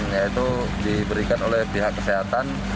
yaitu diberikan oleh pihak kesehatan